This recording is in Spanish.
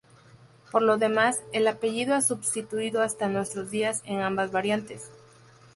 Por lo demás, el apellido ha subsistido hasta nuestros días en ambas variantes.